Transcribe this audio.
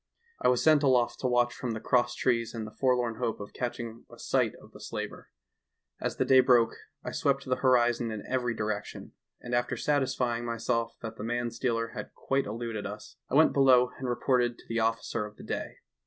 "I was sent aloft to watch from the cross trees in the forlorn hope of catching a sight of the slaver. As the day broke, I swept the horizon in every direction, and after satisfying myself that the man stealer had quite eluded us, I went below and reported to the officer of the day.